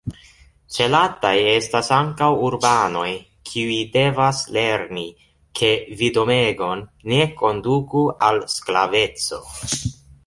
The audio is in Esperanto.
Celataj estas ankaŭ urbanoj, kiuj devas lerni, ke vidomegon ne konduku al sklaveco.